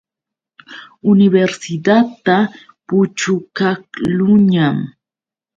Universidadta puchukaqluuñam.